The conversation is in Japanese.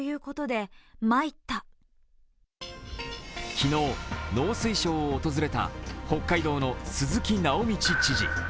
昨日、農水省を訪れた北海道の鈴木直道知事。